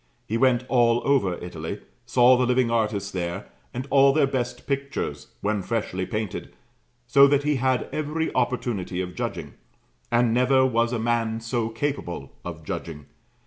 He went all over Italy, saw the living artists there, and all their best pictures when freshly painted, so that he had every opportunity of judging; and never was a man so capable of judging.